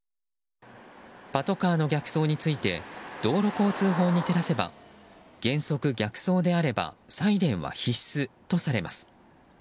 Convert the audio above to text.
パトカーの逆走について道路交通法に照らせば原則、逆走であればサイレンは必須とされます。